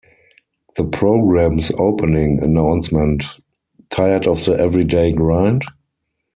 The program's opening announcement-Tired of the everyday grind?